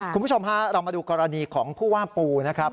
คุณผู้ชมฮะเรามาดูกรณีของผู้ว่าปูนะครับ